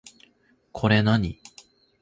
これ何